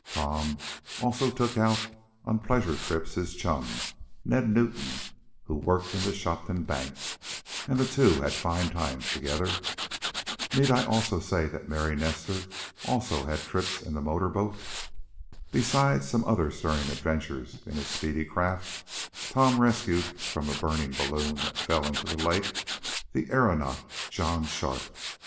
Tom also took out on pleasure trips his chum, Ned Newton, who worked in a Shopton bank, and the two had fine times together. Need I also say that Mary Nestor also had trips in the motor boat? Besides some other stirring adventures in his speedy craft Tom rescued, from a burning balloon that fell into the lake, the aeronaut, John Sharp.